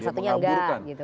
kenapa yang satu enggak